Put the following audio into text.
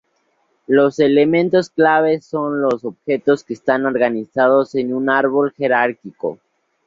Los elementos claves son los objetos, que están organizados en un árbol jerárquico.